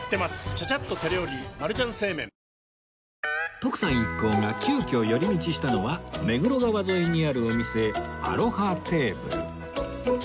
徳さん一行が急きょ寄り道したのは目黒川沿いにあるお店アロハテーブル